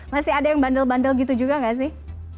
masih ada yang bandel bandel gitu juga nggak sih